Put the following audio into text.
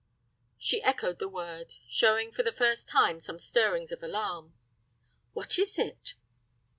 She echoed the word, showing for the first time some stirrings of alarm. "What is it?"